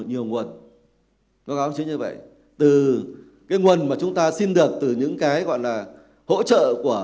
nhiều người tự nhiên xét nghiệm chữa khỏi sáng tạo virus ncov và yếu tố ncov